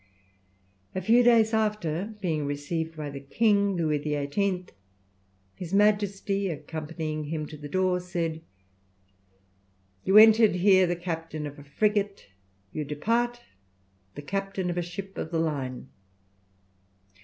A few days after, being received by the king, Louis XVIII., his Majesty, accompanying him to the door, said, "You entered here the captain of a frigate, you depart the captain of a ship of the line.